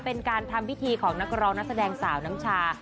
เป็นการทำพิธีของนักร้องนักแสดงสาวน้ำชา